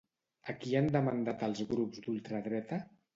A qui han demandat els grups d'ultradreta?